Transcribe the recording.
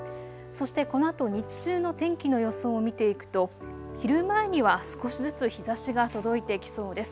そしてこのあと日中の天気の予想を見ていくと昼前には少しずつ日ざしが届いてきそうです。